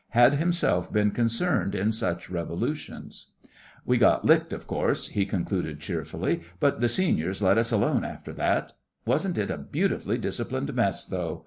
Had himself been concerned in such revolutions. 'We got licked, of course,' he concluded cheerfully, 'but the seniors let us alone after that. Wasn't it a beautifully disciplined Mess, though?